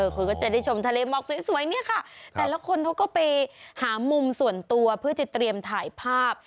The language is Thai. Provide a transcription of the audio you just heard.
คุณก็จะได้ชมทะเลหมอกสวยเนี่ยค่ะแต่ละคนเขาก็ไปหามุมส่วนตัวเพื่อจะเตรียมถ่ายภาพ